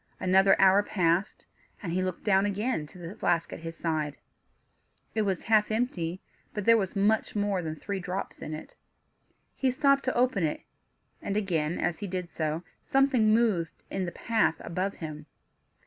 Another hour passed, and he again looked down to the flask at his side; it was half empty; but there was much more than three drops in it. He stopped to open it, and again, as he did so, something moved in the path above him.